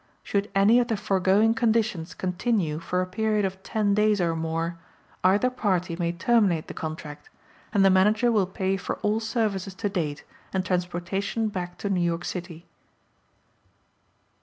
Should any of the foregoing conditions continue for a period of ten days or more, either party may terminate the contract and the Manager will pay for all services to date and transportation back to New York City.